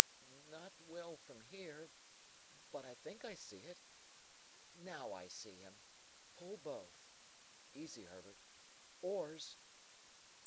"Not well from here; but I think I see it.—Now I see him! Pull both. Easy, Herbert. Oars!"